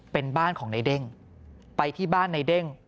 เป็นบ้านของในเด้งไปที่บ้านในเด้ง